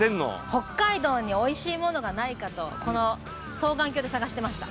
北海道においしいものがないかとこの双眼鏡で探してました。